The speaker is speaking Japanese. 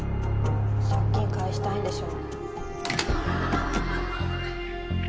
借金返したいんでしょ。